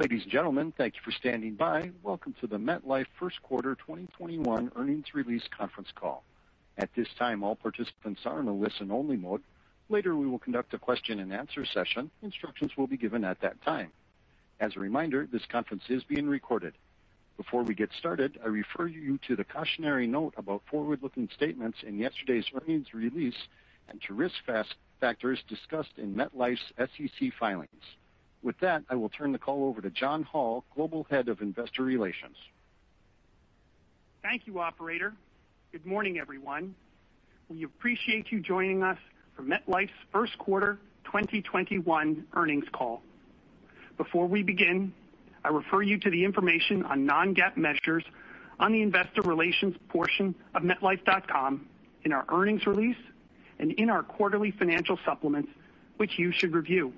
Ladies and gentlemen, thank you for standing by. Welcome to the MetLife First Quarter 2021 Earnings Release Conference Call. At this time, all participants are in a listen-only mode. Later, we will conduct a question-and-answer session. Instructions will be given at that time. As a reminder, this conference is being recorded. Before we get started, I refer you to the cautionary note about forward-looking statements in yesterday's earnings release and to risk factors discussed in MetLife's SEC filings. With that, I will turn the call over to John Hall, Global Head of Investor Relations. Thank you, operator. Good morning, everyone. We appreciate you joining us for MetLife's first quarter 2021 earnings call. Before we begin, I refer you to the information on non-GAAP measures on the investor relations portion of metlife.com, in our earnings release, and in our quarterly financial supplements, which you should review.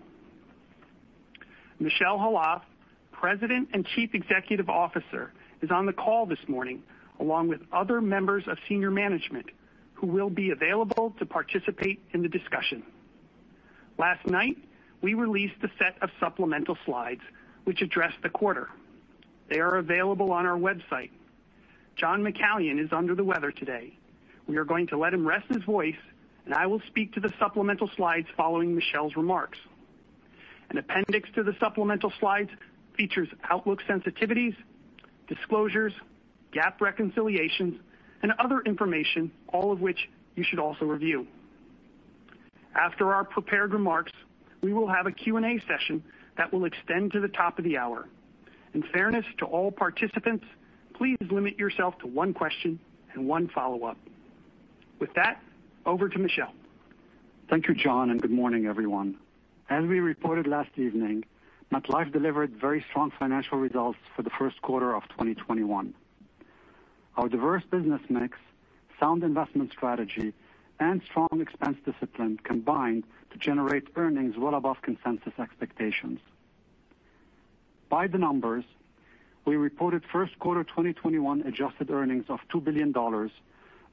Michel Khalaf, President and Chief Executive Officer, is on the call this morning, along with other members of senior management who will be available to participate in the discussion. Last night, we released a set of supplemental slides which address the quarter. They are available on our website. John McCallion is under the weather today. We are going to let him rest his voice, and I will speak to the supplemental slides following Michel's remarks. An appendix to the supplemental slides features outlook sensitivities, disclosures, GAAP reconciliations, and other information, all of which you should also review. After our prepared remarks, we will have a Q&A session that will extend to the top of the hour. In fairness to all participants, please limit yourself to one question and one follow-up. With that, over to Michel. Thank you, John, and good morning, everyone. As we reported last evening, MetLife delivered very strong financial results for the first quarter of 2021. Our diverse business mix, sound investment strategy, and strong expense discipline combined to generate earnings well above consensus expectations. By the numbers, we reported first quarter 2021 adjusted earnings of $2 billion or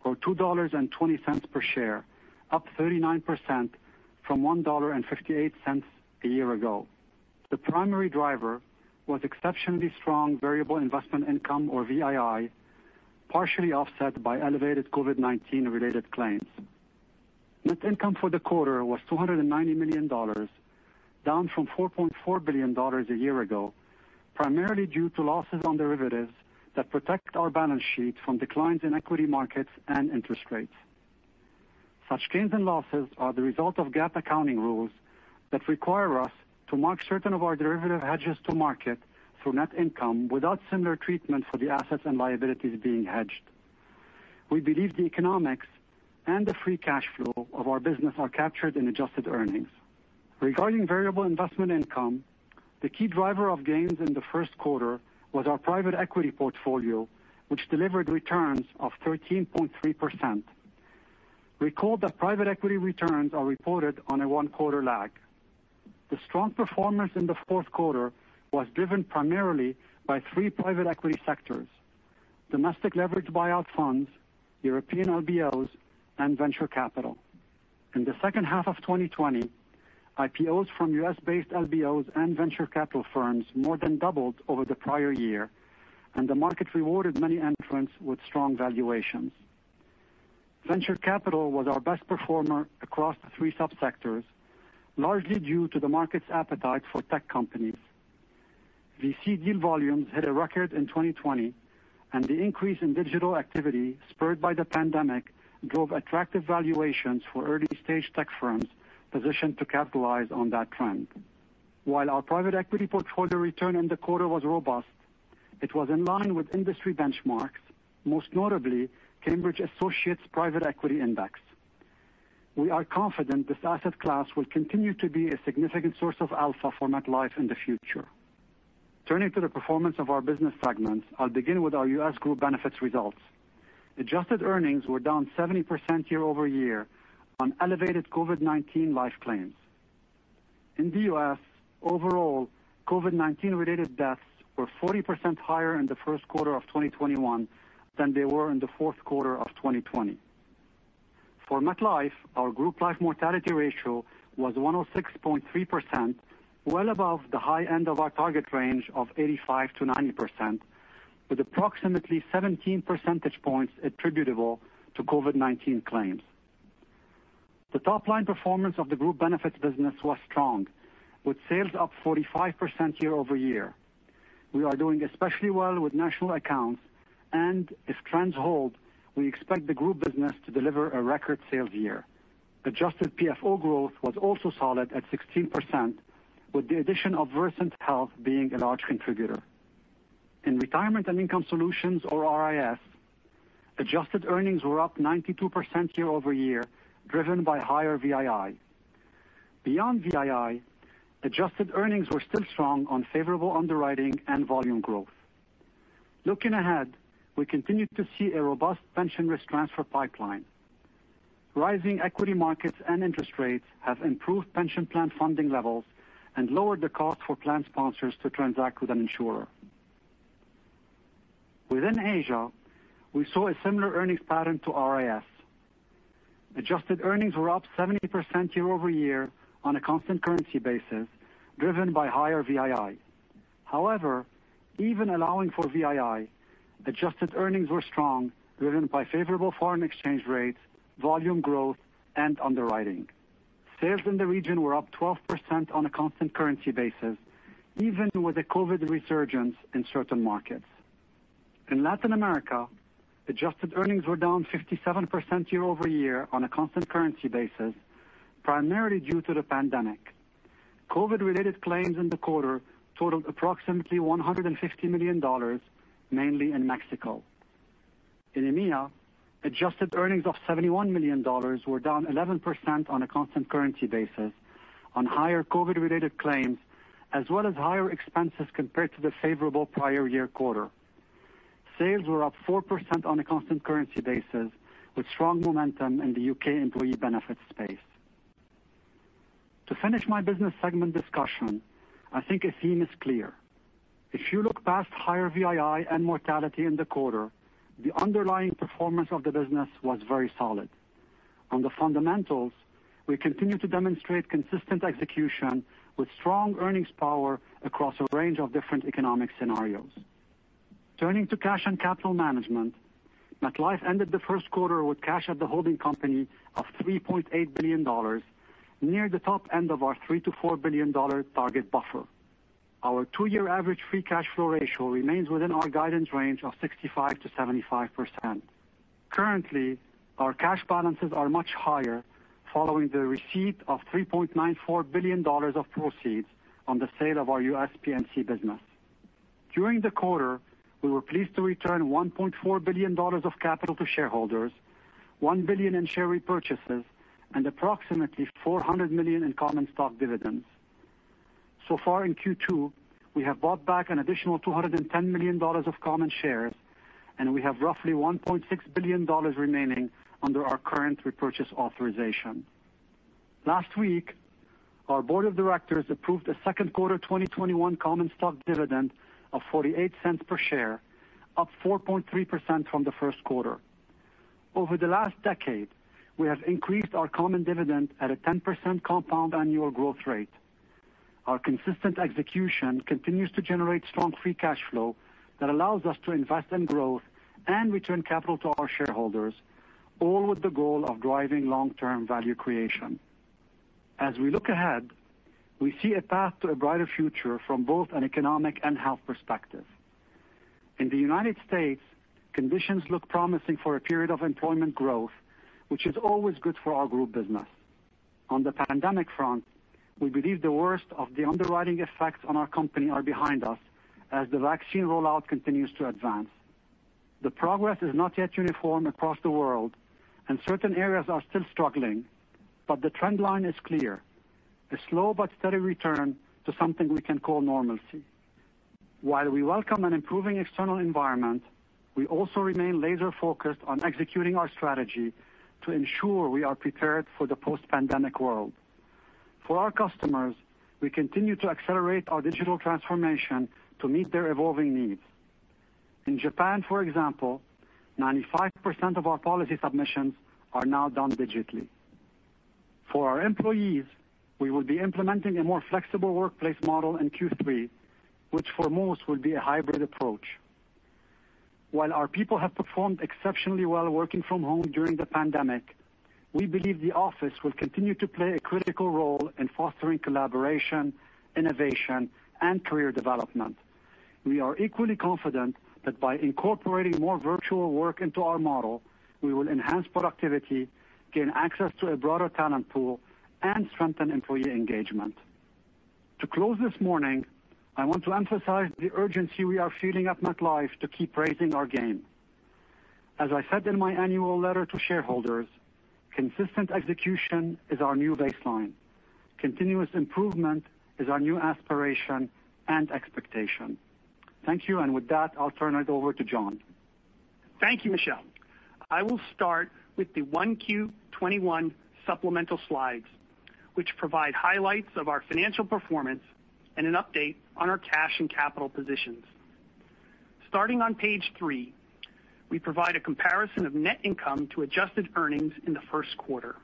$2.20 per share, up 39% from $1.58 a year ago. The primary driver was exceptionally strong variable investment income, or VII, partially offset by elevated COVID-19 related claims. Net income for the quarter was $290 million, down from $4.4 billion a year ago, primarily due to losses on derivatives that protect our balance sheet from declines in equity markets and interest rates. Such gains and losses are the result of GAAP accounting rules that require us to mark certain of our derivative hedges to market through net income without similar treatment for the assets and liabilities being hedged. We believe the economics and the free cash flow of our business are captured in adjusted earnings. Regarding variable investment income, the key driver of gains in the first quarter was our private equity portfolio, which delivered returns of 13.3%. Recall that private equity returns are reported on a one-quarter lag. The strong performance in the fourth quarter was driven primarily by three private equity sectors: domestic leveraged buyout funds, European LBOs, and venture capital. In the second half of 2020, IPOs from U.S.-based LBOs and venture capital firms more than doubled over the prior year, and the market rewarded many entrants with strong valuations. Venture capital was our best performer across the three sub-sectors, largely due to the market's appetite for tech companies. VC deal volumes hit a record in 2020, and the increase in digital activity spurred by the pandemic drove attractive valuations for early-stage tech firms positioned to capitalize on that trend. While our private equity portfolio return in the quarter was robust, it was in line with industry benchmarks, most notably Cambridge Associates Private Equity Index. We are confident this asset class will continue to be a significant source of alpha for MetLife in the future. Turning to the performance of our business segments, I'll begin with our U.S. Group Benefits results. Adjusted earnings were down 70% year-over-year on elevated COVID-19 life claims. In the U.S., overall, COVID-19 related deaths were 40% higher in the first quarter of 2021 than they were in the fourth quarter of 2020. For MetLife, our Group Life mortality ratio was 106.3%, well above the high end of our target range of 85%-90%, with approximately 17 percentage points attributable to COVID-19 claims. The top-line performance of the Group Benefits business was strong, with sales up 45% year-over-year. We are doing especially well with national accounts, and if trends hold, we expect the group business to deliver a record sales year. Adjusted PFO growth was also solid at 16%, with the addition of Versant Health being a large contributor. In Retirement and Income Solutions, or RIS, adjusted earnings were up 92% year-over-year, driven by higher VII. Beyond VII, adjusted earnings were still strong on favorable underwriting and volume growth. Looking ahead, we continue to see a robust pension risk transfer pipeline. Rising equity markets and interest rates have improved pension plan funding levels and lowered the cost for plan sponsors to transact with an insurer. Within Asia, we saw a similar earnings pattern to RIS. Adjusted earnings were up 70% year-over-year on a constant currency basis, driven by higher VII. However, even allowing for VII, adjusted earnings were strong, driven by favorable foreign exchange rates, volume growth, and underwriting. Sales in the region were up 12% on a constant currency basis, even with a COVID resurgence in certain markets. In Latin America, adjusted earnings were down 57% year-over-year on a constant currency basis, primarily due to the pandemic. COVID-related claims in the quarter totaled approximately $150 million, mainly in Mexico. In EMEA, adjusted earnings of $71 million were down 11% on a constant currency basis on higher COVID-related claims, as well as higher expenses compared to the favorable prior year quarter. Sales were up 4% on a constant currency basis, with strong momentum in the U.K. employee benefits space. To finish my business segment discussion, I think a theme is clear. If you look past higher VII and mortality in the quarter, the underlying performance of the business was very solid. On the fundamentals, we continue to demonstrate consistent execution with strong earnings power across a range of different economic scenarios. Turning to cash and capital management, MetLife ended the first quarter with cash at the holding company of $3.8 billion, near the top end of our $3 billion-$4 billion target buffer. Our two-year average free cash flow ratio remains within our guidance range of 65%-75%. Currently, our cash balances are much higher following the receipt of $3.94 billion of proceeds on the sale of our U.S. P&C business. During the quarter, we were pleased to return $1.4 billion of capital to shareholders, $1 billion in share repurchases, and approximately $400 million in common stock dividends. In Q2, we have bought back an additional $210 million of common shares, and we have roughly $1.6 billion remaining under our current repurchase authorization. Last week, our board of directors approved a second quarter 2021 common stock dividend of $0.48 per share, up 4.3% from the first quarter. Over the last decade, we have increased our common dividend at a 10% compound annual growth rate. Our consistent execution continues to generate strong free cash flow that allows us to invest in growth and return capital to our shareholders, all with the goal of driving long-term value creation. As we look ahead, we see a path to a brighter future from both an economic and health perspective. In the United States, conditions look promising for a period of employment growth, which is always good for our group business. On the pandemic front, we believe the worst of the underwriting effects on our company are behind us as the vaccine rollout continues to advance. The progress is not yet uniform across the world, and certain areas are still struggling, but the trend line is clear, a slow but steady return to something we can call normalcy. While we welcome an improving external environment, we also remain laser-focused on executing our strategy to ensure we are prepared for the post-pandemic world. For our customers, we continue to accelerate our digital transformation to meet their evolving needs. In Japan, for example, 95% of our policy submissions are now done digitally. For our employees, we will be implementing a more flexible workplace model in Q3, which for most will be a hybrid approach. While our people have performed exceptionally well working from home during the pandemic, we believe the office will continue to play a critical role in fostering collaboration, innovation, and career development. We are equally confident that by incorporating more virtual work into our model, we will enhance productivity, gain access to a broader talent pool, and strengthen employee engagement. To close this morning, I want to emphasize the urgency we are feeling at MetLife to keep raising our game. As I said in my annual letter to shareholders, consistent execution is our new baseline. Continuous improvement is our new aspiration and expectation. Thank you. With that, I'll turn it over to John. Thank you, Michel. I will start with the 1Q 2021 supplemental slides, which provide highlights of our financial performance and an update on our cash and capital positions. Starting on page three, we provide a comparison of net income to adjusted earnings in the first quarter.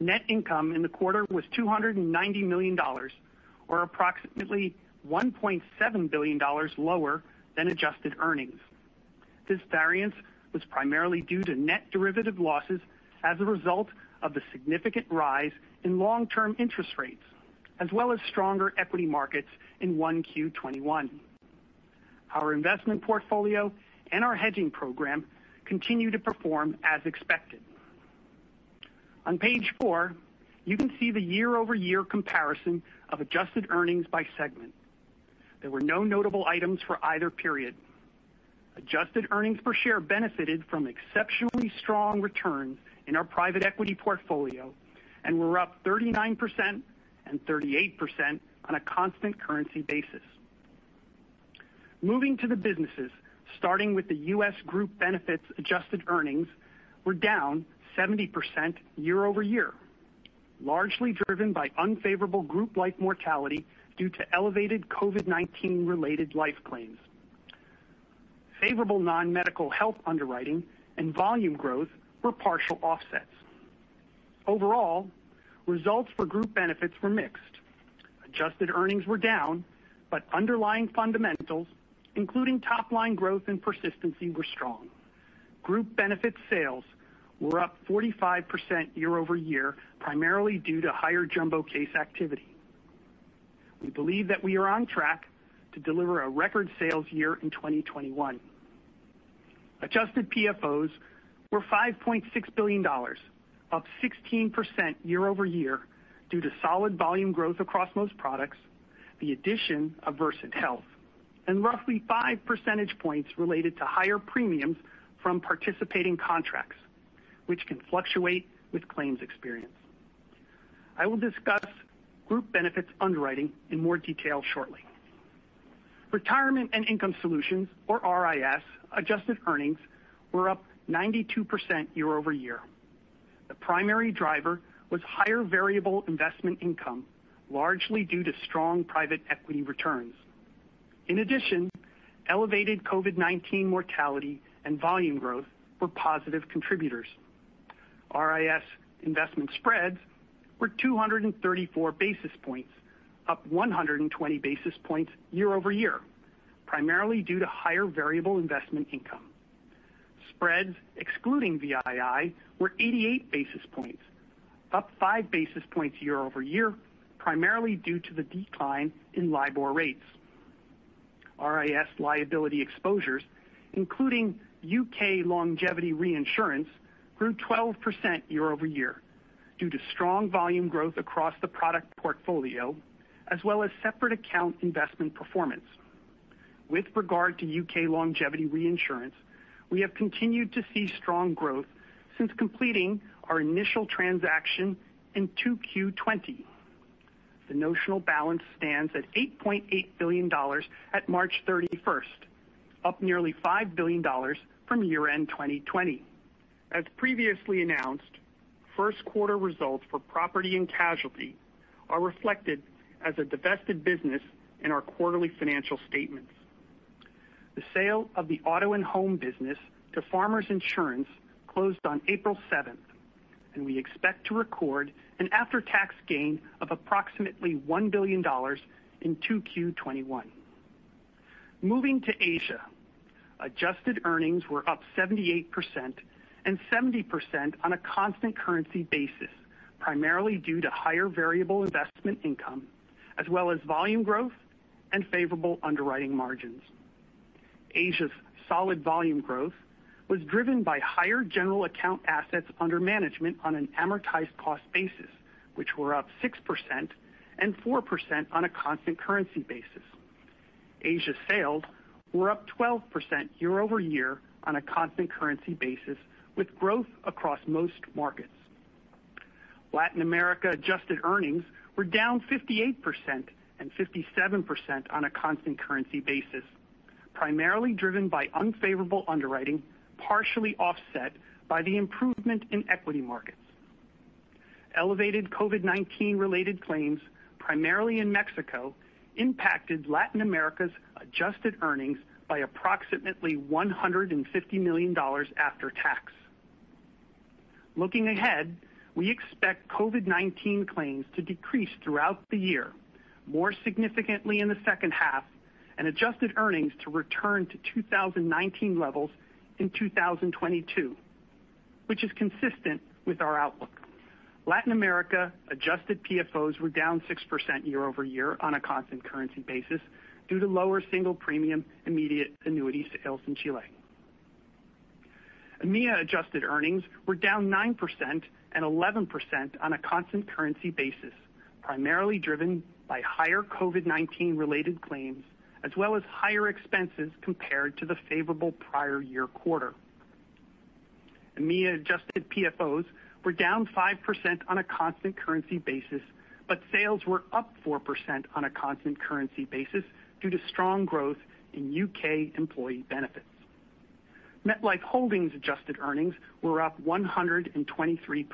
Net income in the quarter was $290 million, or approximately $1.7 billion lower than adjusted earnings. This variance was primarily due to net derivative losses as a result of the significant rise in long-term interest rates, as well as stronger equity markets in 1Q 2021. Our investment portfolio and our hedging program continue to perform as expected. On page four, you can see the year-over-year comparison of adjusted earnings by segment. There were no notable items for either period. Adjusted earnings per share benefited from exceptionally strong returns in our private equity portfolio and were up 39% and 38% on a constant currency basis. Moving to the businesses, starting with the U.S. Group Benefits adjusted earnings were down 70% year-over-year. Largely driven by unfavorable Group Life mortality due to elevated COVID-19 related life claims. Favorable non-medical health underwriting and volume growth were partial offsets. Overall, results for group benefits were mixed. Adjusted earnings were down, underlying fundamentals, including top-line growth and persistency, were strong. Group benefit sales were up 45% year-over-year, primarily due to higher jumbo case activity. We believe that we are on track to deliver a record sales year in 2021. Adjusted PFOs were $5.6 billion, up 16% year-over-year due to solid volume growth across most products, the addition of Versant Health, and roughly five percentage points related to higher premiums from participating contracts, which can fluctuate with claims experience. I will discuss group benefits underwriting in more detail shortly. Retirement and Income Solutions, or RIS, adjusted earnings were up 92% year-over-year. The primary driver was higher variable investment income, largely due to strong private equity returns. In addition, elevated COVID-19 mortality and volume growth were positive contributors. RIS investment spreads were 234 basis points, up 120 basis points year-over-year, primarily due to higher variable investment income. Spreads excluding VII were 88 basis points, up five basis points year-over-year, primarily due to the decline in LIBOR rates. RIS liability exposures, including U.K. longevity reinsurance, grew 12% year-over-year due to strong volume growth across the product portfolio, as well as separate account investment performance. With regard to U.K. longevity reinsurance, we have continued to see strong growth since completing our initial transaction in 2Q 2020. The notional balance stands at $8.8 billion at March 31st, up nearly $5 billion from year-end 2020. As previously announced, first quarter results for property and casualty are reflected as a divested business in our quarterly financial statements. The sale of the auto and home business to Farmers Insurance closed on April 7th, and we expect to record an after-tax gain of approximately $1 billion in 2Q 2021. Moving to Asia. Adjusted earnings were up 78% and 70% on a constant currency basis, primarily due to higher variable investment income as well as volume growth and favorable underwriting margins. Asia's solid volume growth was driven by higher general account assets under management on an amortized cost basis, which were up 6% and 4% on a constant currency basis. Asia sales were up 12% year-over-year on a constant currency basis with growth across most markets. Latin America adjusted earnings were down 58% and 57% on a constant currency basis, primarily driven by unfavorable underwriting, partially offset by the improvement in equity markets. Elevated COVID-19 related claims, primarily in Mexico, impacted Latin America's adjusted earnings by approximately $150 million after tax. Looking ahead, we expect COVID-19 claims to decrease throughout the year, more significantly in the second half, and adjusted earnings to return to 2019 levels in 2022, which is consistent with our outlook. Latin America adjusted PFOs were down 6% year-over-year on a constant currency basis due to lower single premium immediate annuity sales in Chile. EMEA adjusted earnings were down 9% and 11% on a constant currency basis, primarily driven by higher COVID-19 related claims, as well as higher expenses compared to the favorable prior year quarter. EMEA adjusted PFOs were down 5% on a constant currency basis. Sales were up 4% on a constant currency basis due to strong growth in U.K. employee benefits. MetLife Holdings adjusted earnings were up 123%.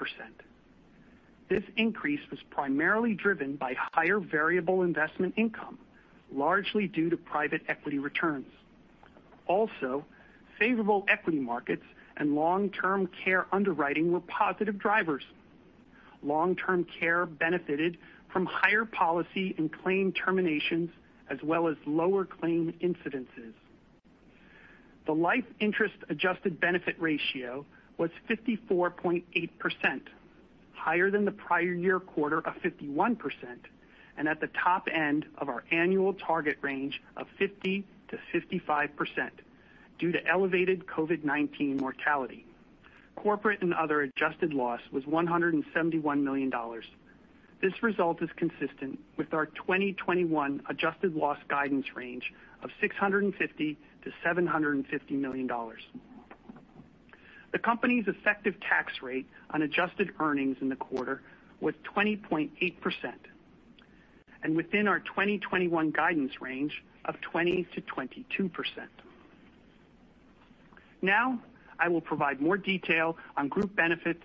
This increase was primarily driven by higher variable investment income, largely due to private equity returns. Also, favorable equity markets and long-term care underwriting were positive drivers. Long-term care benefited from higher policy and claim terminations, as well as lower claim incidences. The life interest-adjusted benefit ratio was 54.8%, higher than the prior year quarter of 51%, and at the top end of our annual target range of 50%-55% due to elevated COVID-19 mortality. Corporate and other adjusted loss was $171 million. This result is consistent with our 2021 adjusted loss guidance range of $650 million-$750 million. The company's effective tax rate on adjusted earnings in the quarter was 20.8% and within our 2021 guidance range of 20%-22%. Now, I will provide more detail on group benefits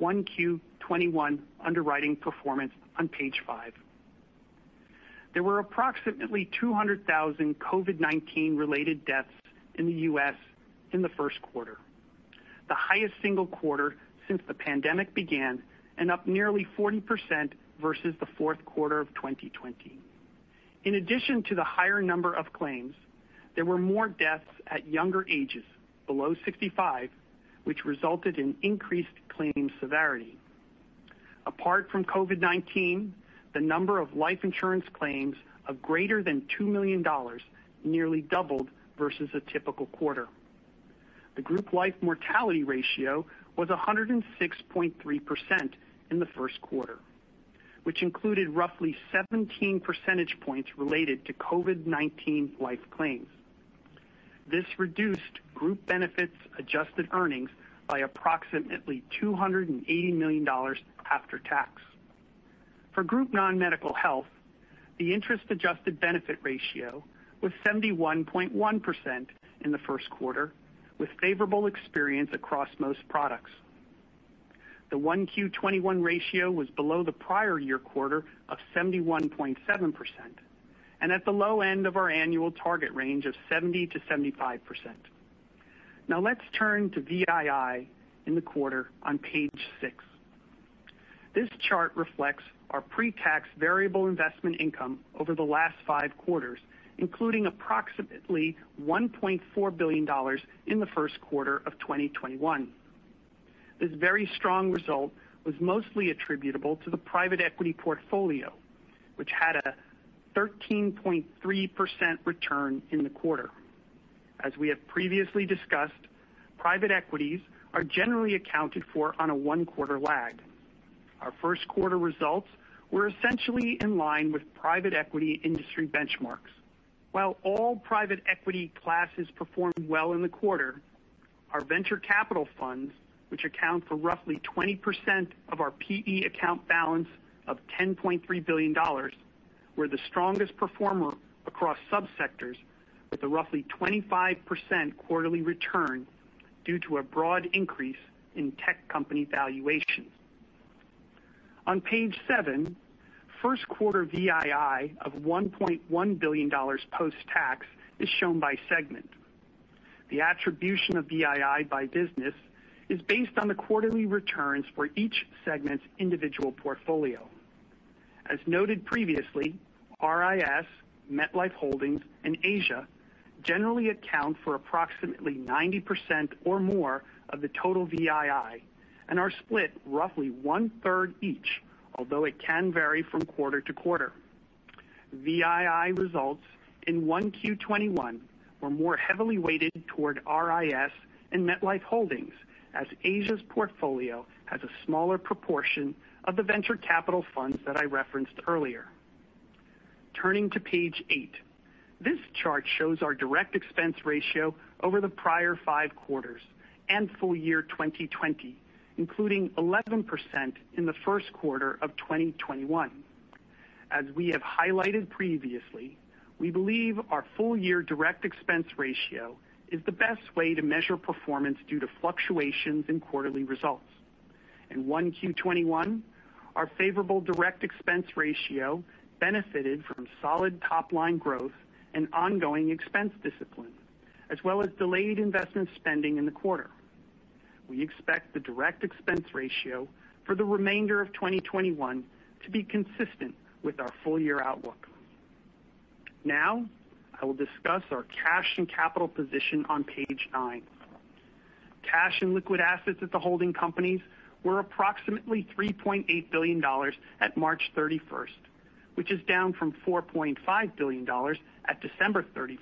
1Q 2021 underwriting performance on page five. There were approximately 200,000 COVID-19 related deaths in the U.S. in the first quarter, the highest single quarter since the pandemic began, and up nearly 40% versus the fourth quarter of 2020. In addition to the higher number of claims, there were more deaths at younger ages, below 65, which resulted in increased claims severity. Apart from COVID-19, the number of life insurance claims of greater than $2 million nearly doubled versus a typical quarter. The group life mortality ratio was 106.3% in the first quarter, which included roughly 17 percentage points related to COVID-19 life claims. This reduced group benefits adjusted earnings by approximately $280 million after tax. For group non-medical health, the interest-adjusted benefit ratio was 71.1% in the first quarter, with favorable experience across most products. The 1Q21 ratio was below the prior year quarter of 71.7%, and at the low end of our annual target range of 70%-75%. Let's turn to VII in the quarter on page six. This chart reflects our pre-tax variable investment income over the last five quarters, including approximately $1.4 billion in the first quarter of 2021. This very strong result was mostly attributable to the private equity portfolio, which had a 13.3% return in the quarter. As we have previously discussed, private equities are generally accounted for on a one-quarter lag. Our first quarter results were essentially in line with private equity industry benchmarks. While all private equity classes performed well in the quarter, our venture capital funds, which account for roughly 20% of our PE account balance of $10.3 billion, were the strongest performer across sub-sectors with a roughly 25% quarterly return due to a broad increase in tech company valuations. On page seven, first quarter VII of $1.1 billion post-tax is shown by segment. The attribution of VII by business is based on the quarterly returns for each segment's individual portfolio. As noted previously, RIS, MetLife Holdings, and Asia generally account for approximately 90% or more of the total VII and are split roughly one-third each, although it can vary from quarter to quarter. VII results in 1Q 2021 were more heavily weighted toward RIS and MetLife Holdings, as Asia's portfolio has a smaller proportion of the venture capital funds that I referenced earlier. Turning to page eight. This chart shows our direct expense ratio over the prior five quarters and full year 2020, including 11% in the first quarter of 2021. As we have highlighted previously, we believe our full-year direct expense ratio is the best way to measure performance due to fluctuations in quarterly results. In 1Q 2021, our favorable direct expense ratio benefited from solid top-line growth and ongoing expense discipline, as well as delayed investment spending in the quarter. We expect the direct expense ratio for the remainder of 2021 to be consistent with our full-year outlook. I will discuss our cash and capital position on page nine. Cash and liquid assets at the holding companies were approximately $3.8 billion at March 31st, which is down from $4.5 billion at December 31st,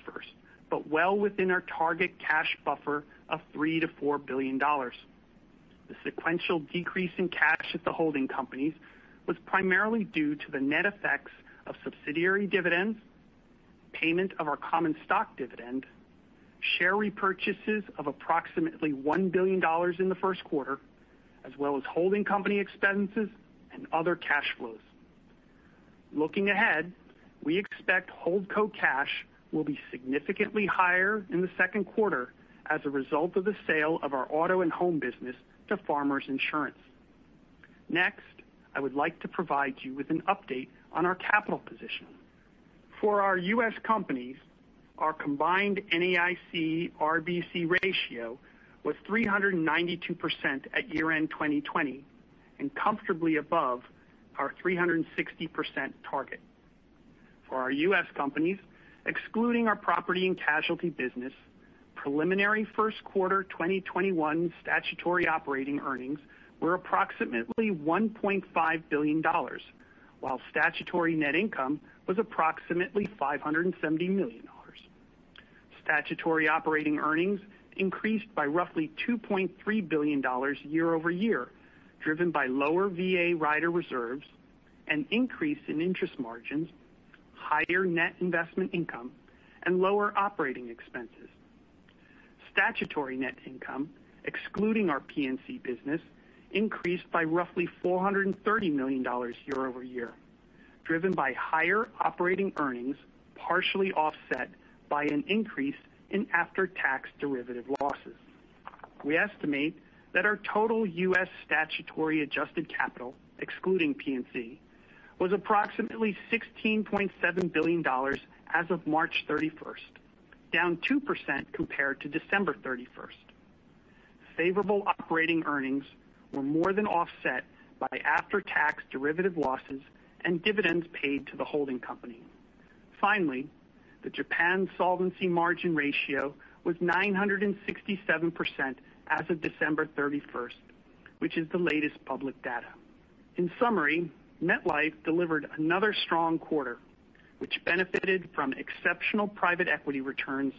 but well within our target cash buffer of $3 billion-$4 billion. The sequential decrease in cash at the holding companies was primarily due to the net effects of subsidiary dividends, payment of our common stock dividend, share repurchases of $1 billion in the first quarter, as well as holding company expenses and other cash flows. Looking ahead, we expect Holdco cash will be significantly higher in the second quarter as a result of the sale of our auto and home business to Farmers Insurance. Next, I would like to provide you with an update on our capital position. For our U.S. companies, our combined NAIC RBC ratio was 392% at year-end 2020, and comfortably above our 360% target. For our U.S. companies, excluding our U.S. P&C business, preliminary first quarter 2021 statutory operating earnings were $1.5 billion, while statutory net income was $570 million. Statutory operating earnings increased by roughly $2.3 billion year-over-year, driven by lower VA rider reserves, an increase in interest margins, higher net investment income, and lower operating expenses. Statutory net income, excluding our P&C business, increased by roughly $430 million year-over-year, driven by higher operating earnings, partially offset by an increase in after-tax derivative losses. We estimate that our total U.S. statutory adjusted capital, excluding P&C, was approximately $16.7 billion as of March 31st, down 2% compared to December 31st. Favorable operating earnings were more than offset by after-tax derivative losses and dividends paid to the holding company. Finally, the Japan solvency margin ratio was 967% as of December 31st, which is the latest public data. In summary, MetLife delivered another strong quarter, which benefited from exceptional private equity returns,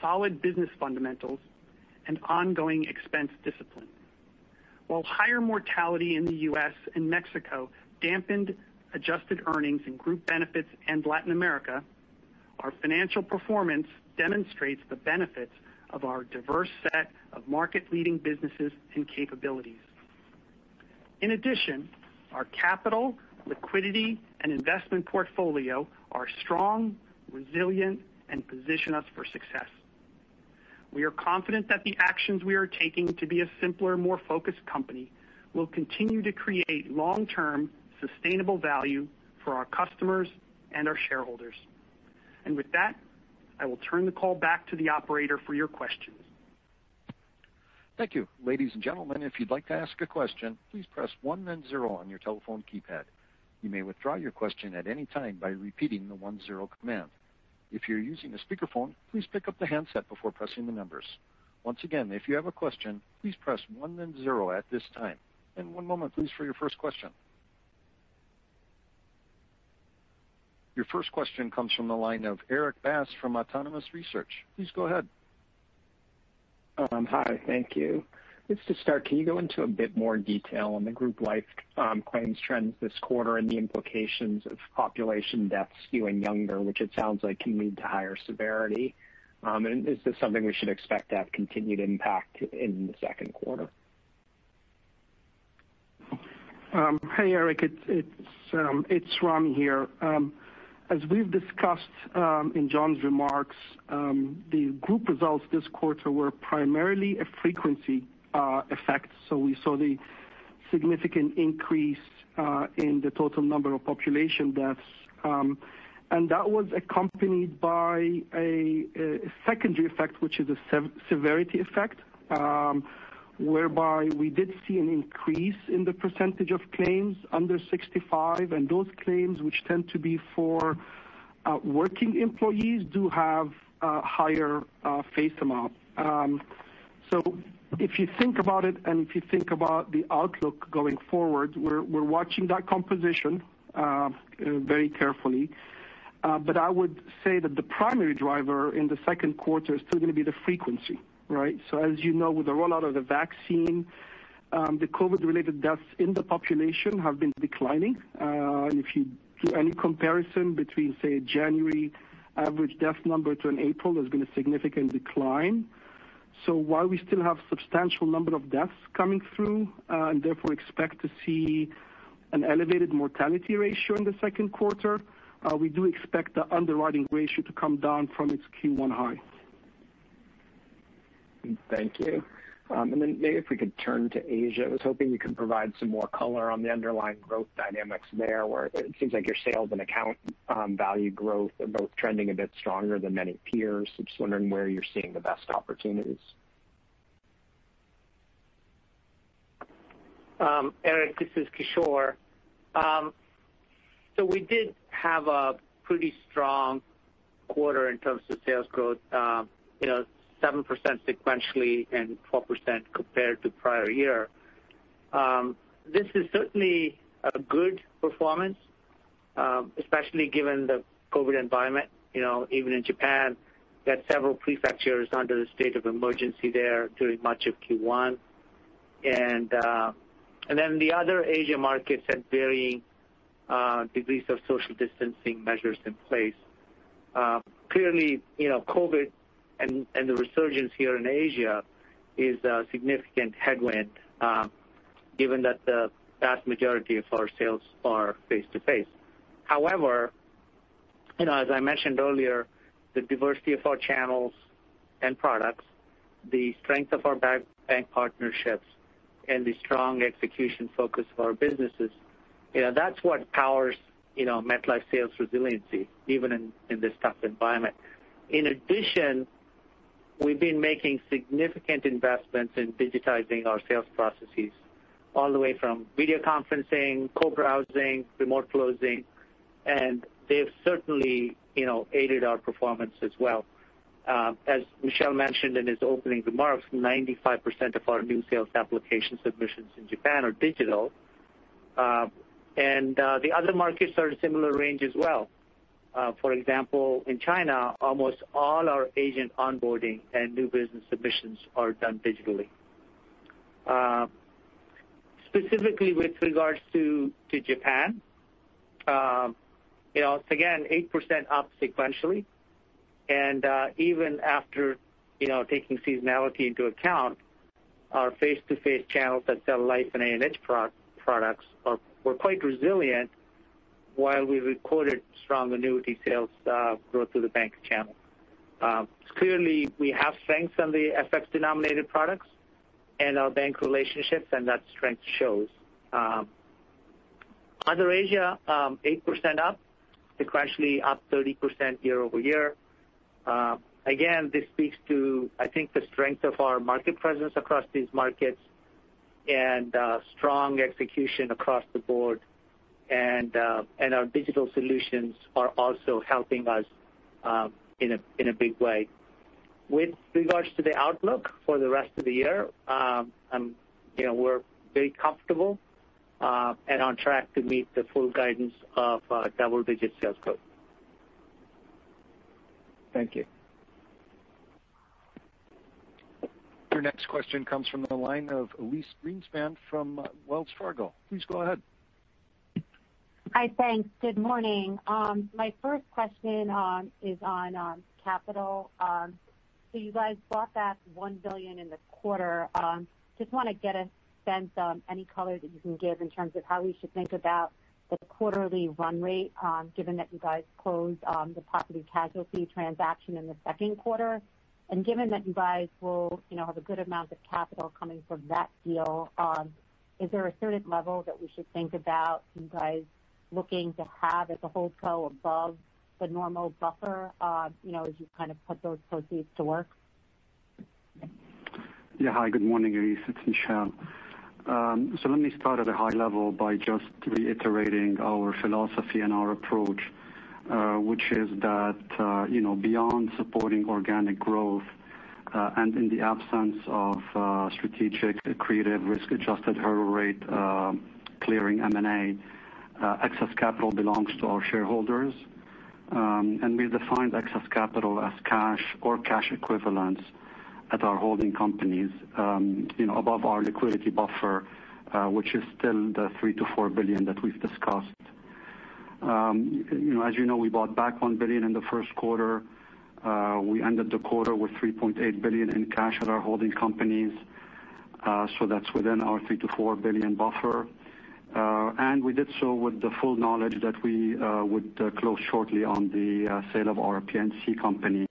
solid business fundamentals, and ongoing expense discipline. While higher mortality in the U.S. Mexico dampened adjusted earnings in Group Benefits and Latin America, our financial performance demonstrates the benefits of our diverse set of market-leading businesses and capabilities. In addition, our capital, liquidity, and investment portfolio are strong, resilient, and position us for success. We are confident that the actions we are taking to be a simpler, more focused company will continue to create long-term sustainable value for our customers and our shareholders. With that, I will turn the call back to the operator for your questions. Your first question comes from the line of Erik Bass from Autonomous Research. Please go ahead. Hi, thank you. Just to start, can you go into a bit more detail on the Group Life claims trends this quarter and the implications of population deaths skewing younger, which it sounds like can lead to higher severity? Is this something we should expect to have continued impact in the second quarter? Hi, Erik. It's Ramy here. As we've discussed in John's remarks, the group results this quarter were primarily a frequency effect. We saw the significant increase in the total number of population deaths, and that was accompanied by a secondary effect, which is a severity effect, whereby we did see an increase in the percentage of claims under 65. Those claims, which tend to be for working employees, do have a higher face amount. If you think about it and if you think about the outlook going forward, we're watching that composition very carefully. I would say that the primary driver in the second quarter is still going to be the frequency, right? As you know, with the rollout of the vaccine, the COVID-related deaths in the population have been declining. If you do any comparison between, say, January average death number to in April, there's been a significant decline. While we still have substantial number of deaths coming through and therefore expect to see an elevated mortality ratio in the second quarter, we do expect the underwriting ratio to come down from its Q1 high. Thank you. Then maybe if we could turn to Asia. I was hoping you could provide some more color on the underlying growth dynamics there, where it seems like your sales and account value growth are both trending a bit stronger than many peers. I'm just wondering where you're seeing the best opportunities. Erik, this is Kishore. We did have a pretty strong quarter in terms of sales growth. 7% sequentially and 4% compared to prior year. This is certainly a good performance, especially given the COVID environment. Even in Japan, we had several prefectures under the state of emergency there during much of Q1. The other Asia markets had varying degrees of social distancing measures in place. Clearly, COVID and the resurgence here in Asia is a significant headwind, given that the vast majority of our sales are face-to-face. As I mentioned earlier, the diversity of our channels and products, the strength of our bank partnerships, and the strong execution focus of our businesses, that's what powers MetLife sales resiliency, even in this tough environment. In addition, we've been making significant investments in digitizing our sales processes all the way from video conferencing, co-browsing, remote closing, and they have certainly aided our performance as well. As Michel mentioned in his opening remarks, 95% of our new sales application submissions in Japan are digital. The other markets are in a similar range as well. For example, in China, almost all our agent onboarding and new business submissions are done digitally. Specifically with regards to Japan, again, 8% up sequentially. Even after taking seasonality into account, our face-to-face channels that sell life and A&H products were quite resilient while we recorded strong annuity sales growth through the bank channel. Clearly, we have strengths in the FX-denominated products and our bank relationships, and that strength shows. Other Asia, 8% up. It was actually up 30% year-over-year. Again, this speaks to, I think, the strength of our market presence across these markets and strong execution across the board. Our digital solutions are also helping us in a big way. With regards to the outlook for the rest of the year, we are very comfortable and on track to meet the full guidance of double-digit sales growth. Thank you. Your next question comes from the line of Elyse Greenspan from Wells Fargo. Please go ahead. Hi. Thanks. Good morning. My first question is on capital. You guys bought back $1 billion in the quarter. Just want to get a sense on any color that you can give in terms of how we should think about the quarterly run rate given that you guys closed the property casualty transaction in the second quarter. Given that you guys will have a good amount of capital coming from that deal, is there a certain level that we should think about you guys looking to have as a Holdco above the normal buffer as you put those proceeds to work? Hi, good morning, Elyse. It's Michel. Let me start at a high level by just reiterating our philosophy and our approach which is that beyond supporting organic growth, and in the absence of strategic, accretive risk-adjusted hurdle rate clearing M&A, excess capital belongs to our shareholders. We define excess capital as cash or cash equivalents at our holding companies above our liquidity buffer which is still the $3 billion-$4 billion that we've discussed. As you know, we bought back $1 billion in Q1. We ended the quarter with $3.8 billion in cash at our holding companies, so that's within our $3 billion-$4 billion buffer. We did so with the full knowledge that we would close shortly on the sale of our P&C company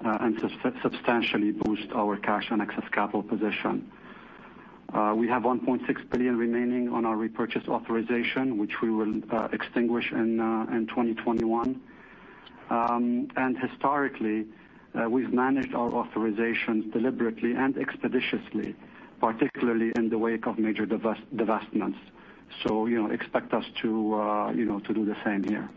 and substantially boost our cash and excess capital position. We have $1.6 billion remaining on our repurchase authorization, which we will extinguish in 2021. Historically, we've managed our authorizations deliberately and expeditiously, particularly in the wake of major divestments. Expect us to do the same here.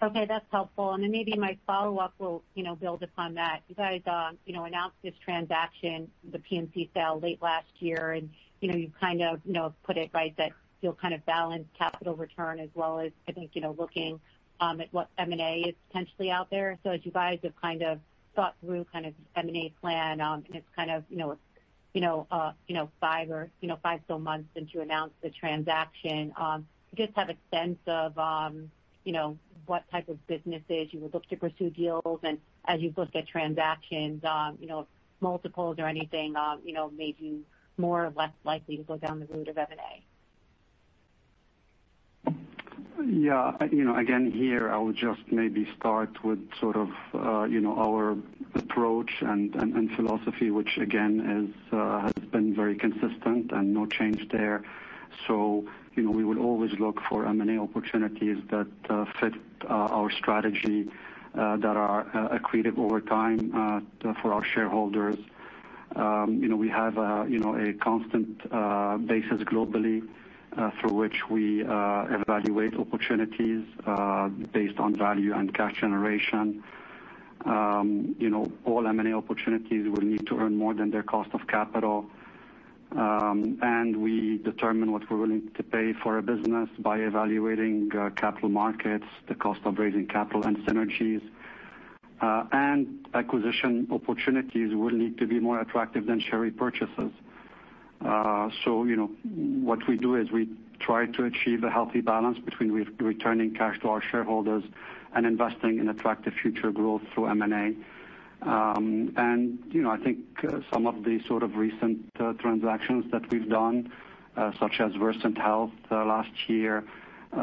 Okay, that's helpful. Then maybe my follow-up will build upon that. You guys announced this transaction, the P&C sale late last year, and you've kind of put it right that you'll kind of balance capital return as well as I think looking at what M&A is potentially out there. As you guys have kind of thought through M&A plan, and it's five still months since you announced the transaction, just have a sense of what type of businesses you would look to pursue deals. As you've looked at transactions, multiples or anything made you more or less likely to go down the route of M&A. Yeah. Again, here I would just maybe start with sort of our approach and philosophy, which again has been very consistent and no change there. We will always look for M&A opportunities that fit our strategy that are accretive over time for our shareholders. We have a constant basis globally through which we evaluate opportunities based on value and cash generation. All M&A opportunities will need to earn more than their cost of capital. We determine what we're willing to pay for a business by evaluating capital markets, the cost of raising capital, and synergies. Acquisition opportunities will need to be more attractive than share repurchases. What we do is we try to achieve a healthy balance between returning cash to our shareholders and investing in attractive future growth through M&A. I think some of the sort of recent transactions that we've done such as Versant Health last year, the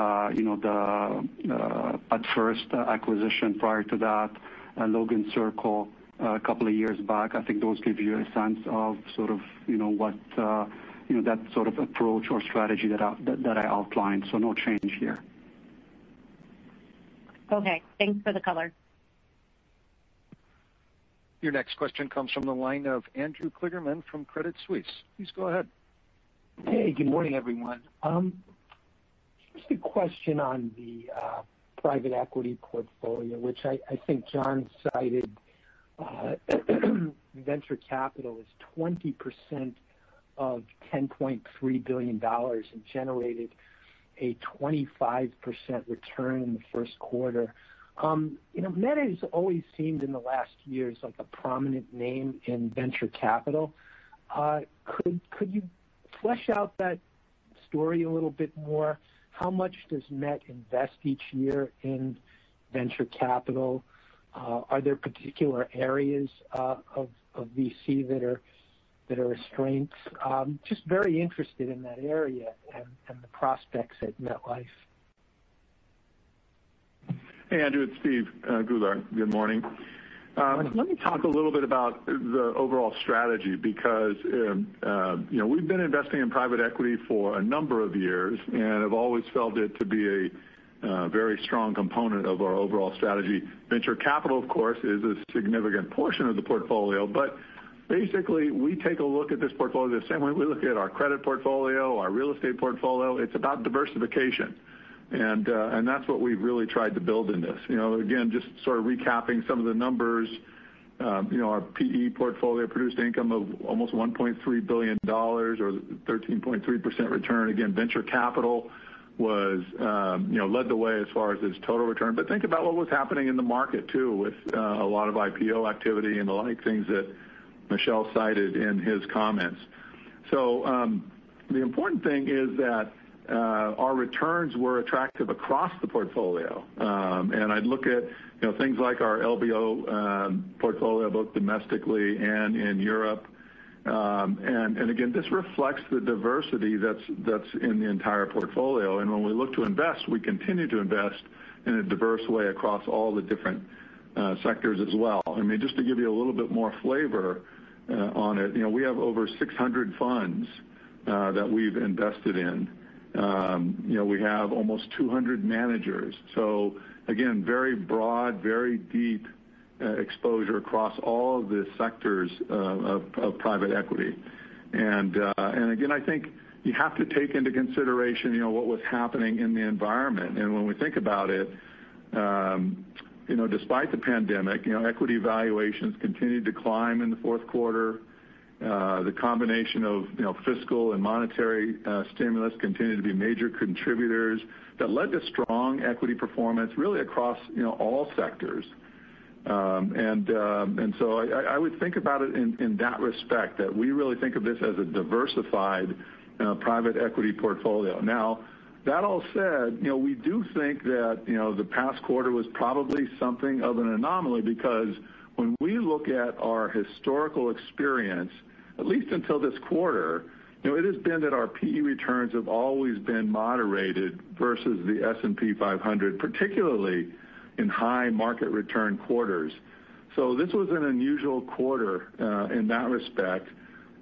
PetFirst acquisition prior to that, and Logan Circle a couple of years back, I think those give you a sense of that sort of approach or strategy that I outlined. No change here. Okay. Thanks for the color. Your next question comes from the line of Andrew Kligerman from Credit Suisse. Please go ahead. Hey, good morning, everyone. Just a question on the private equity portfolio, which I think John cited venture capital as 20% of $10.3 billion and generated a 25% return in the first quarter. Met has always seemed in the last years like a prominent name in venture capital. Could you flesh out that story a little bit more. How much does Met invest each year in venture capital? Are there particular areas of VC that are strengths? Just very interested in that area and the prospects at MetLife. Hey, Andrew. It's Steve Goulart. Good morning. Let me talk a little bit about the overall strategy because we've been investing in private equity for a number of years and have always felt it to be a very strong component of our overall strategy. Venture capital, of course, is a significant portion of the portfolio. Basically, we take a look at this portfolio the same way we look at our credit portfolio, our real estate portfolio. It's about diversification, and that's what we've really tried to build in this. Again, just sort of recapping some of the numbers, our PE portfolio produced income of almost $1.3 billion or 13.3% return. Again, venture capital led the way as far as its total return. Think about what was happening in the market too, with a lot of IPO activity and the lot of things that Michel cited in his comments. The important thing is that our returns were attractive across the portfolio. I'd look at things like our LBO portfolio, both domestically and in Europe. This reflects the diversity that's in the entire portfolio. When we look to invest, we continue to invest in a diverse way across all the different sectors as well. Just to give you a little bit more flavor on it, we have over 600 funds that we've invested in. We have almost 200 managers. Very broad, very deep exposure across all the sectors of private equity. I think you have to take into consideration what was happening in the environment. When we think about it, despite the pandemic, equity valuations continued to climb in the fourth quarter. The combination of fiscal and monetary stimulus continued to be major contributors that led to strong equity performance, really across all sectors. I would think about it in that respect, that we really think of this as a diversified private equity portfolio. Now, that all said, we do think that the past quarter was probably something of an anomaly because when we look at our historical experience, at least until this quarter, it has been that our PE returns have always been moderated versus the S&P 500, particularly in high market return quarters. This was an unusual quarter in that respect.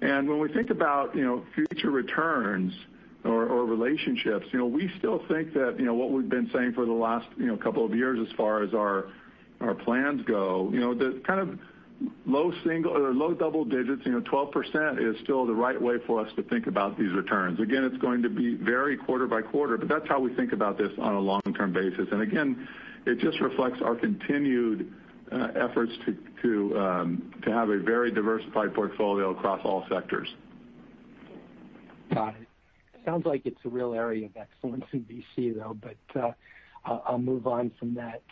When we think about future returns or relationships, we still think that what we've been saying for the last couple of years as far as our plans go, the kind of low double digits, 12% is still the right way for us to think about these returns. Again, it's going to be very quarter by quarter, but that's how we think about this on a long-term basis. Again, it just reflects our continued efforts to have a very diversified portfolio across all sectors. Got it. Sounds like it's a real area of excellence in VC, though. I'll move on from that.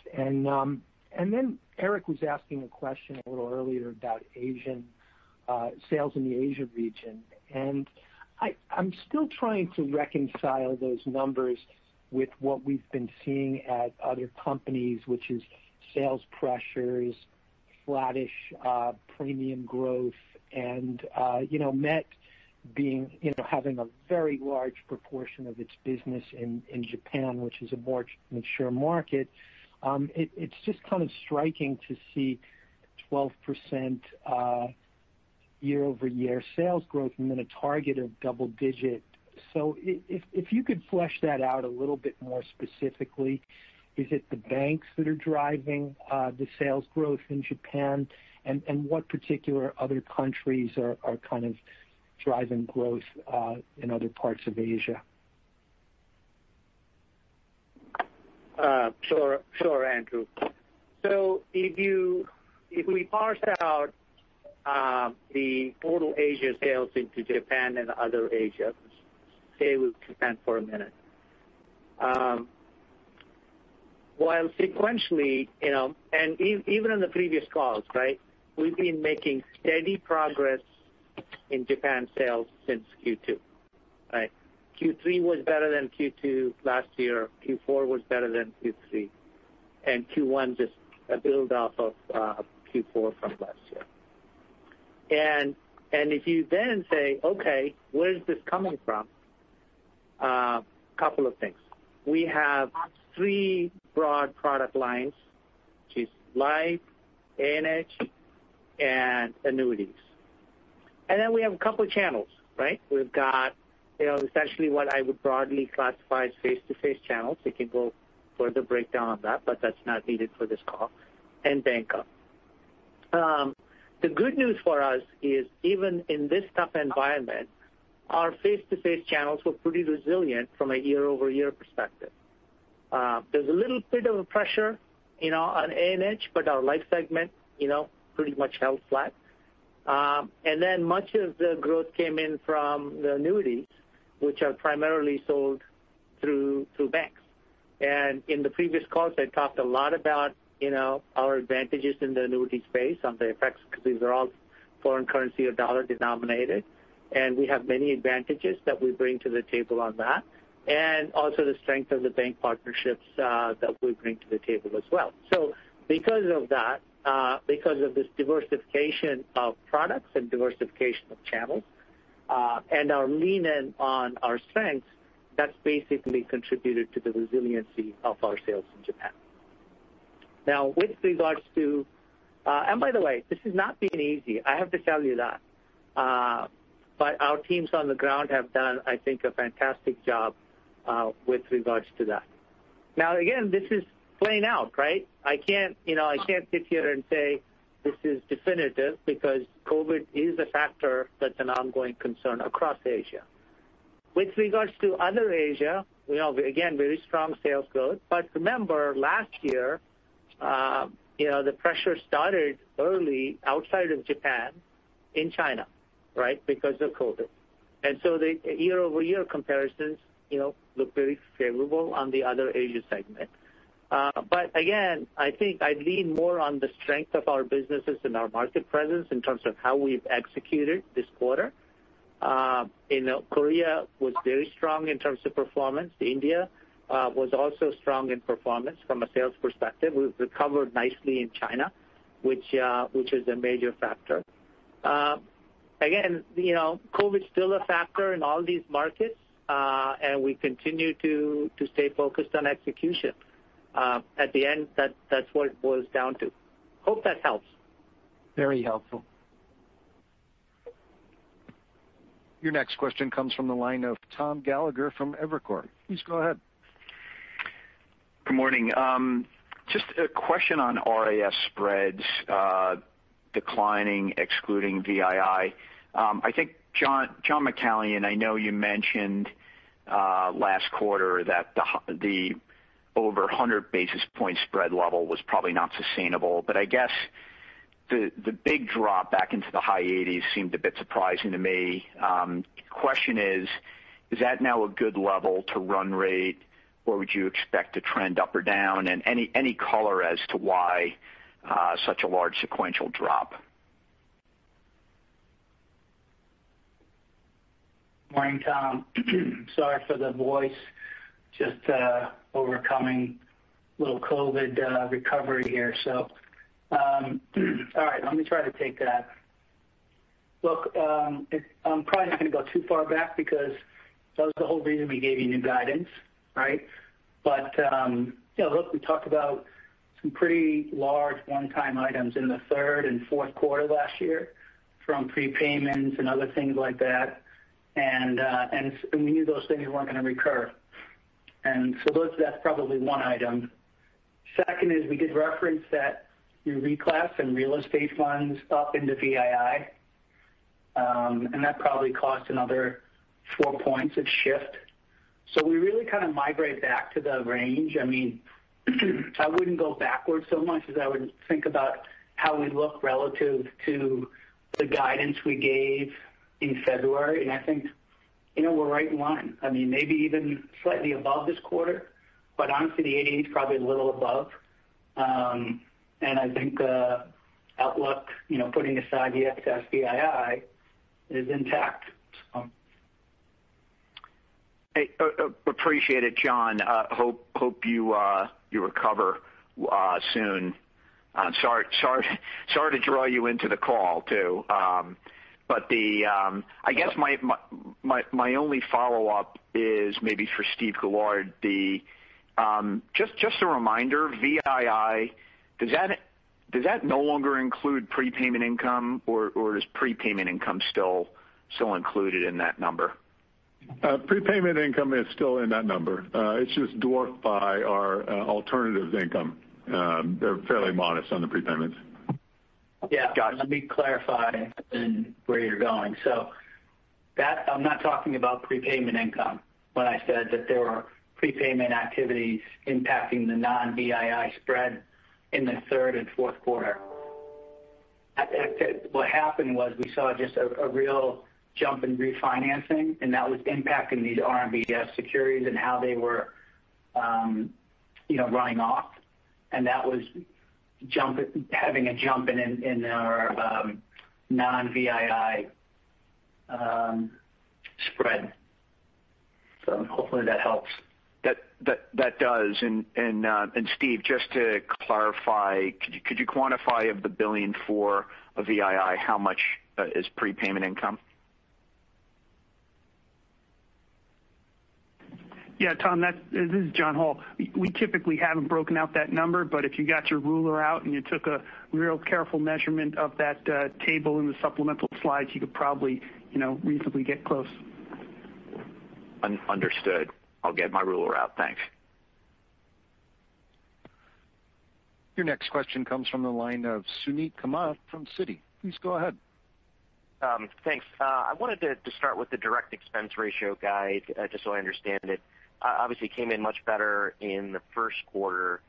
Erik was asking a question a little earlier about sales in the Asia region. I'm still trying to reconcile those numbers with what we've been seeing at other companies, which is sales pressures, flattish premium growth, and Met having a very large proportion of its business in Japan, which is a more mature market. It's just kind of striking to see 12% year-over-year sales growth and then a target of double digit. If you could flesh that out a little bit more specifically. Is it the banks that are driving the sales growth in Japan? What particular other countries are kind of driving growth in other parts of Asia? Sure, Andrew. If we parse out the total Asia sales into Japan and other Asia, stay with Japan for a minute. While sequentially, and even in the previous calls, right? We've been making steady progress in Japan sales since Q2, right? Q3 was better than Q2 last year, Q4 was better than Q3, and Q1 just a build-off of Q4 from last year. If you then say, okay, where is this coming from? A couple of things. We have three broad product lines, which is life, A&H, and annuities. Then we have a couple channels, right? We've got essentially what I would broadly classify as face-to-face channels. We can go further breakdown on that, but that's not needed for this call, and bank. The good news for us is even in this tough environment, our face-to-face channels were pretty resilient from a year-over-year perspective. There's a little bit of a pressure on A&H, but our life segment pretty much held flat. Much of the growth came in from the annuities, which are primarily sold through banks. In the previous calls, I talked a lot about our advantages in the annuity space on the FX because these are all foreign currency or USD denominated, and we have many advantages that we bring to the table on that, and also the strength of the bank partnerships that we bring to the table as well. Because of that, because of this diversification of products and diversification of channels, and our lean in on our strengths, that's basically contributed to the resiliency of our sales in Japan. And by the way, this has not been easy, I have to tell you that. Our teams on the ground have done, I think, a fantastic job with regards to that. Now, again, this is playing out. I can't sit here and say this is definitive because COVID is a factor that's an ongoing concern across Asia. With regards to other Asia, again, very strong sales growth. Remember last year, the pressure started early outside of Japan in China because of COVID. The year-over-year comparisons look very favorable on the other Asia segment. Again, I think I'd lean more on the strength of our businesses and our market presence in terms of how we've executed this quarter. Korea was very strong in terms of performance. India was also strong in performance from a sales perspective. We've recovered nicely in China which is a major factor. Again, COVID is still a factor in all these markets, and we continue to stay focused on execution. At the end, that's what it boils down to. Hope that helps. Very helpful. Your next question comes from the line of Tom Gallagher from Evercore. Please go ahead. Good morning. Just a question on RIS spreads declining, excluding VII. I think John McCallion, I know you mentioned last quarter that the over 100 basis points spread level was probably not sustainable, but I guess the big drop back into the high 80s seemed a bit surprising to me. Question is that now a good level to run rate, or would you expect to trend up or down? Any color as to why such a large sequential drop? Morning, Tom. Sorry for the voice. Just overcoming a little COVID recovery here. All right. Let me try to take that. Look, I'm probably not going to go too far back because that was the whole reason we gave you new guidance, right? Look, we talked about some pretty large one-time items in the third and fourth quarter last year from prepayments and other things like that. We knew those things weren't going to recur. Look, that's probably one item. Second is we did reference that we reclass and real estate funds up into VII, and that probably cost another four points of shift. We really kind of migrate back to the range. I mean, I wouldn't go backwards so much as I would think about how we look relative to the guidance we gave in February. I think we're right in line. Maybe even slightly above this quarter, but onto the 80s, probably a little above. I think the outlook, putting aside the excess VII, is intact. Hey, appreciate it, John. Hope you recover soon. Sorry to draw you into the call too. I guess my only follow-up is maybe for Steve Goulart. Just a reminder, VII, does that no longer include prepayment income, or is prepayment income still included in that number? Prepayment income is still in that number. It's just dwarfed by our alternatives income. They're fairly modest on the prepayments. Yeah. Got you. Let me clarify where you're going. That I'm not talking about prepayment income when I said that there were prepayment activities impacting the non-VII spread in the third and fourth quarter. What happened was we saw just a real jump in refinancing, that was impacting these RMBS securities and how they were running off. That was having a jump in our non-VII spread. Hopefully that helps. That does. Steve, just to clarify, could you quantify of the $1 billion for VII how much is prepayment income? Yeah, Tom, this is John Hall. We typically haven't broken out that number, but if you got your ruler out and you took a real careful measurement of that table in the supplemental slides, you could probably reasonably get close. Understood. I'll get my ruler out. Thanks. Your next question comes from the line of Suneet Kamath from Citi. Please go ahead. Thanks. I wanted to start with the direct expense ratio guide, just so I understand it. Obviously came in much better in the first quarter.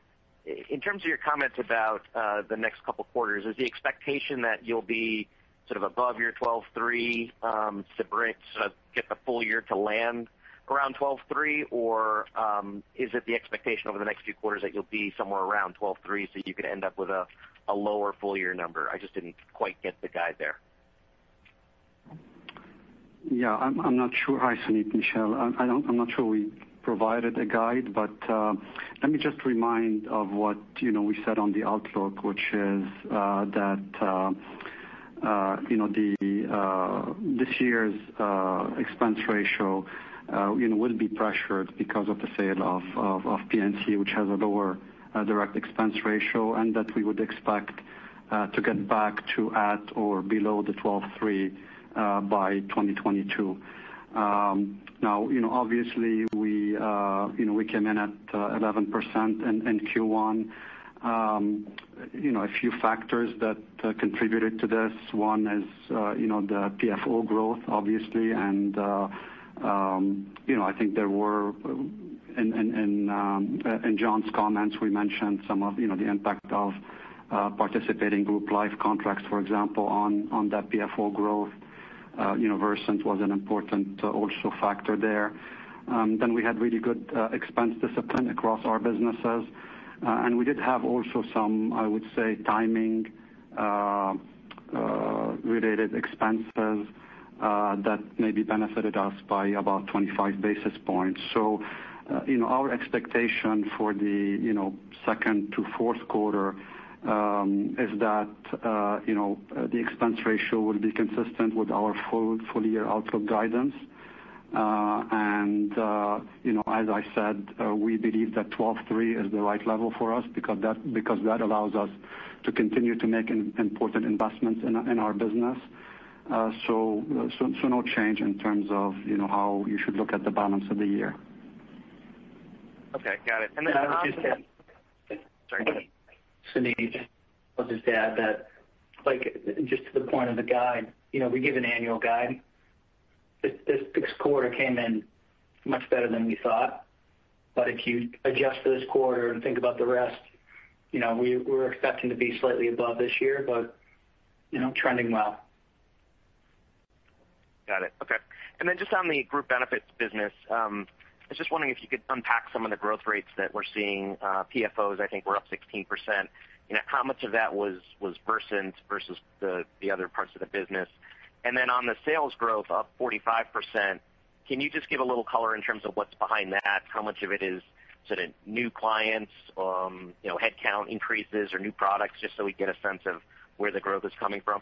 In terms of your comments about the next couple quarters, is the expectation that you'll be above your 12.3% to get the full year to land around 12.3%? Or is it the expectation over the next few quarters that you'll be somewhere around 12.3% so you could end up with a lower full-year number? I just didn't quite get the guide there. Yeah, I'm not sure. Hi, Suneet, Michel. I'm not sure we provided a guide, but let me just remind of what we said on the outlook, which is that this year's expense ratio will be pressured because of the sale of P&C, which has a lower direct expense ratio, and that we would expect to get back to at or below the 12.3% by 2022. Now, obviously we came in at 11% in Q1. A few factors that contributed to this, one is the PFO growth, obviously. In John's comments, we mentioned some of the impact of participating group life contracts, for example, on that PFO growth. Versant was an important factor there also. We had really good expense discipline across our businesses. We did have also some, I would say, timing-related expenses that maybe benefited us by about 25 basis points. Our expectation for the second to fourth quarter is that the direct expense ratio will be consistent with our full year outlook guidance. As I said, we believe that 12.3% is the right level for us because that allows us to continue to make important investments in our business. No change in terms of how you should look at the balance of the year. Okay, got it. Suneet, I'll just add that, just to the point of the guide, we give an annual guide. This quarter came in much better than we thought. If you adjust for this quarter and think about the rest, we're expecting to be slightly above this year, but trending well. Got it. Okay. Just on the group benefits business, I was just wondering if you could unpack some of the growth rates that we're seeing. PFOs, I think, were up 16%. How much of that was Versant versus the other parts of the business? On the sales growth, up 45%, can you just give a little color in terms of what's behind that? How much of it is new clients, headcount increases, or new products, just so we get a sense of where the growth is coming from?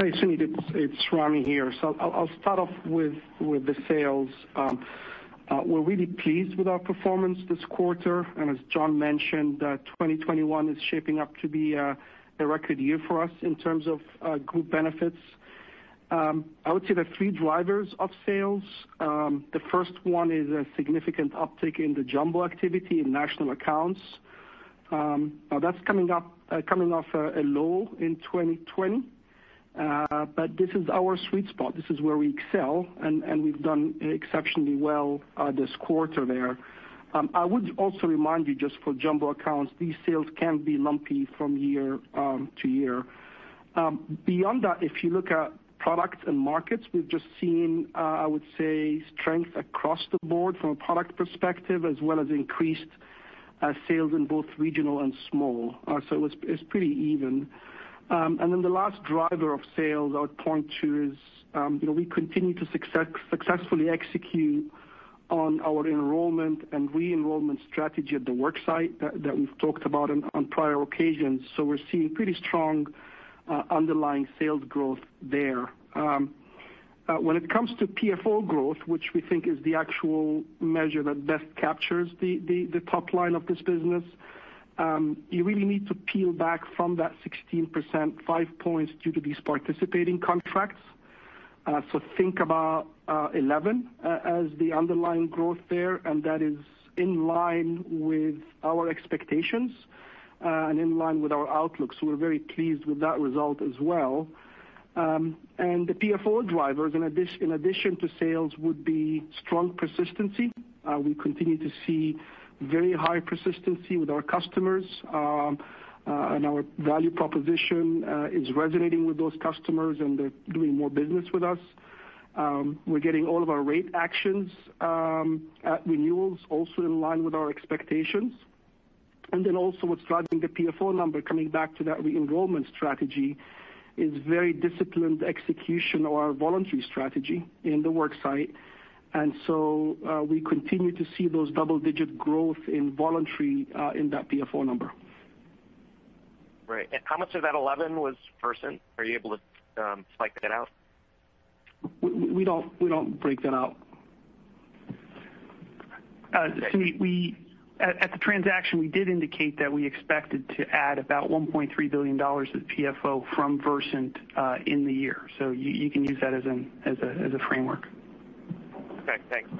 Hi, Suneet. It's Ramy here. I'll start off with the sales. We're really pleased with our performance this quarter, and as John mentioned, 2021 is shaping up to be a record year for us in terms of group benefits. I would say there are three drivers of sales. The first one is a significant uptick in the jumbo activity in national accounts. Now that's coming off a low in 2020. This is our sweet spot. This is where we excel, and we've done exceptionally well this quarter there. I would also remind you, just for jumbo accounts, these sales can be lumpy from year to year. Beyond that, if you look at products and markets, we've just seen, I would say, strength across the board from a product perspective, as well as increased sales in both regional and small. It's pretty even. The last driver of sales I would point to is we continue to successfully execute on our enrollment and re-enrollment strategy at the worksite that we've talked about on prior occasions. We're seeing pretty strong underlying sales growth there. When it comes to PFO growth, which we think is the actual measure that best captures the top line of this business, you really need to peel back from that 16%, five points due to these participating contracts. Think about 11 as the underlying growth there, and that is in line with our expectations and in line with our outlook. We're very pleased with that result as well. The PFO drivers, in addition to sales, would be strong persistency. We continue to see very high persistency with our customers, and our value proposition is resonating with those customers, and they're doing more business with us. We're getting all of our rate actions at renewals also in line with our expectations. What's driving the PFO number, coming back to that re-enrollment strategy, is very disciplined execution of our voluntary strategy in the work site. We continue to see those double-digit growth in voluntary in that PFO number. Right. How much of that 11 was Versant? Are you able to spike that out? We don't break that out. Suneet, at the transaction, we did indicate that we expected to add about $1.3 billion of PFO from Versant in the year. You can use that as a framework. Okay, thanks.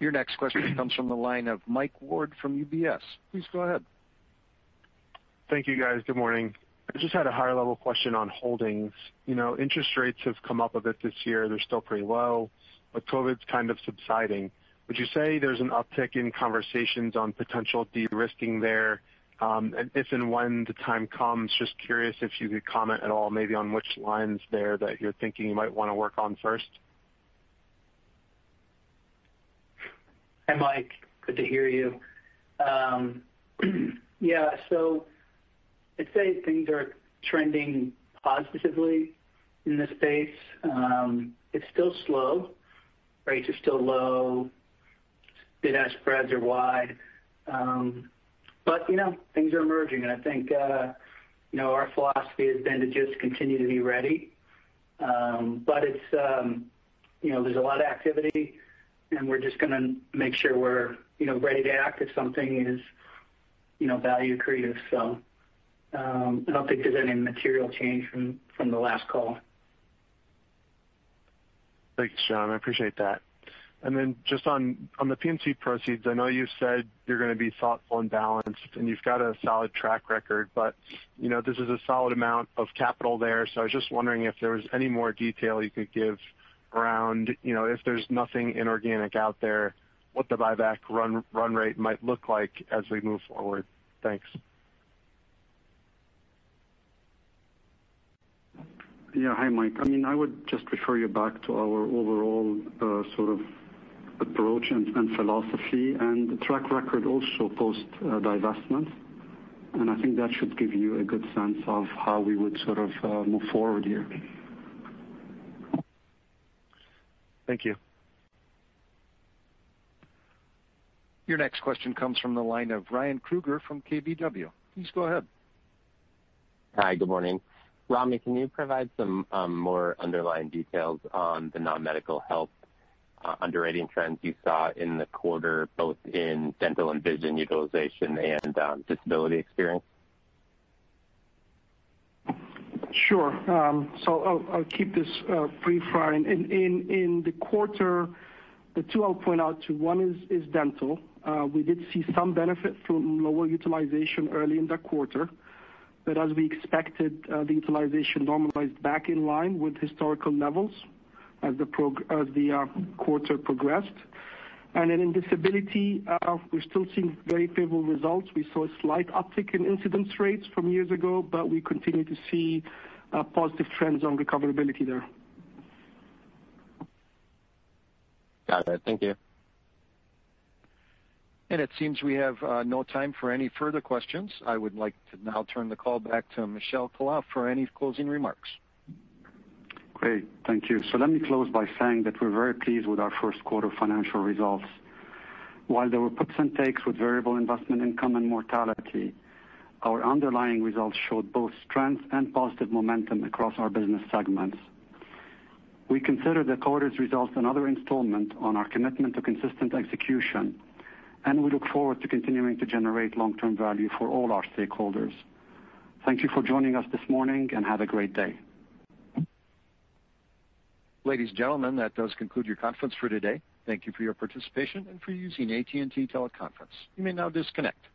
Your next question comes from the line of Michael Ward from UBS. Please go ahead. Thank you, guys. Good morning. I just had a higher level question on Holdings. Interest rates have come up a bit this year. They're still pretty low, but COVID's kind of subsiding. Would you say there's an uptick in conversations on potential de-risking there? If and when the time comes, just curious if you could comment at all maybe on which lines there that you're thinking you might want to work on first. Hi, Mike. Good to hear you. Yeah. I'd say things are trending positively in this space. It's still slow. Rates are still low, bid-ask spreads are wide. Things are emerging, and I think our philosophy has been to just continue to be ready. There's a lot of activity, and we're just going to make sure we're ready to act if something is value accretive. I don't think there's any material change from the last call. Thanks, John. I appreciate that. Just on the P&C proceeds, I know you said you're going to be thoughtful and balanced, and you've got a solid track record. This is a solid amount of capital there. I was just wondering if there was any more detail you could give around, if there's nothing inorganic out there, what the buyback run rate might look like as we move forward. Thanks. Yeah. Hi, Mike. I would just refer you back to our overall sort of approach and philosophy and the track record also post divestment. I think that should give you a good sense of how we would sort of move forward here. Thank you. Your next question comes from the line of Ryan Krueger from KBW. Please go ahead. Hi, good morning. Ramy, can you provide some more underlying details on the non-medical health underwriting trends you saw in the quarter, both in dental and vision utilization and disability experience? Sure. I'll keep this brief, Ryan. In the quarter, the two I'll point out to, one is dental. We did see some benefit from lower utilization early in the quarter, but as we expected, the utilization normalized back in line with historical levels as the quarter progressed. In disability, we're still seeing very favorable results. We saw a slight uptick in incidence rates from years ago, but we continue to see positive trends on recoverability there. Got it. Thank you. It seems we have no time for any further questions. I would like to now turn the call back to Michel Khalaf for any closing remarks. Great. Thank you. Let me close by saying that we're very pleased with our first quarter financial results. While there were puts and takes with variable investment income and mortality, our underlying results showed both strength and positive momentum across our business segments. We consider the quarter's results another installment on our commitment to consistent execution, and we look forward to continuing to generate long-term value for all our stakeholders. Thank you for joining us this morning, and have a great day. Ladies and gentlemen, that does conclude your conference for today. Thank you for your participation and for using AT&T Teleconference. You may now disconnect.